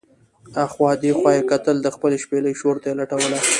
اخوا دې خوا یې کتل، د خپلې شپېلۍ شور ته یې لټوله.